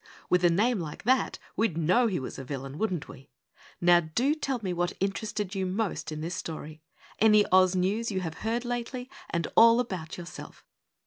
With a name like that, we'd know he was a villain, wouldn't we? Now DO tell me what interested you most in this story; any Oz news you have heard lately and all about yourself!